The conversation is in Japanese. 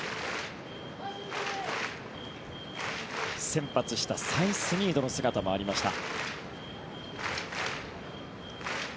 先発したサイスニードの姿もありました。